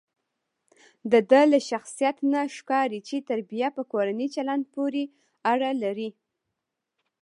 دده له شخصیت نه ښکاري چې تربیه په کورني چلند پورې اړه لري.